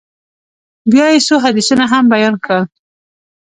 بيا يې څو حديثونه هم بيان کړل.